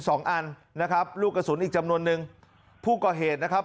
สองอันนะครับลูกกระสุนอีกจำนวนนึงผู้ก่อเหตุนะครับ